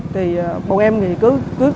thì bọn em thì cứ